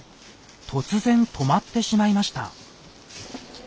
突然止まってしまいました。